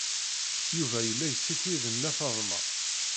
Yuba yella yessikid Nna Faḍma.